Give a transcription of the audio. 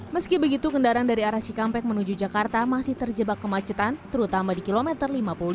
meski begitu kendaraan dari arah cikampek menuju jakarta masih terjebak kemacetan terutama di kilometer lima puluh lima